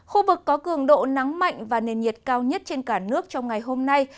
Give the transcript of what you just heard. khu vực có cường độ nắng mạnh và nền nhiệt cao nhất trên cả nước trong ngày hôm nay